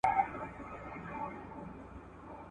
زه بايد پوښتنه وکړم؟!